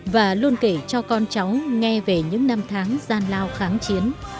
và luôn kể cho con cháu nghe về những năm tháng gian lao kháng chiến